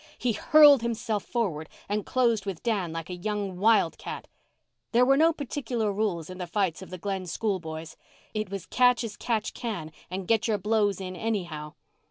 He hurled himself forward and closed with Dan like a young wildcat. There were no particular rules in the fights of the Glen school boys. It was catch as catch can, and get your blows in anyhow.